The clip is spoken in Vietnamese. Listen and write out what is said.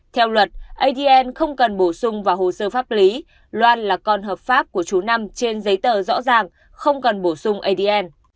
theo luật adn không cần bổ sung vào hồ sơ pháp lý loan là con hợp pháp của chú năm trên giấy tờ rõ ràng không cần bổ sung adn